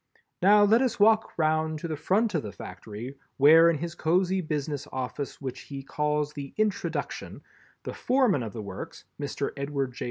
Now let us walk round to the front of the Factory, where in his cosy business office which he calls the "Introduction" the Foreman of the works, Mr. Edward J.